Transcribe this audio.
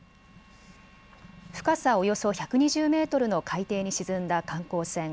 深さおよそ１２０メートルの海底に沈んだ観光船